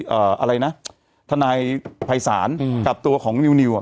อะไรนะทนายภัยศาลอืมกับตัวของนิวนิวอ่ะ